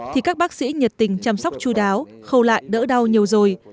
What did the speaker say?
thì các bác sĩ nhiệt tình chăm sóc chú đáo khâu lại đỡ đau nhiều rồi